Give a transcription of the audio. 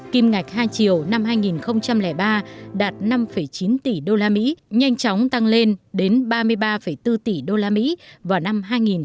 kim ngạch hai triệu năm hai nghìn ba đạt năm chín tỷ usd nhanh chóng tăng lên đến ba mươi ba bốn tỷ usd vào năm hai nghìn một mươi